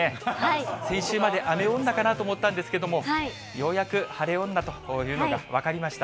先週まで雨女かなと思ったんですけれども、ようやく晴れ女というのが分かりました。